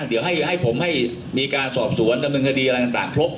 เดี๋ยวให้ผมให้มีการสอบสวนดำเนินคดีอะไรต่างครบ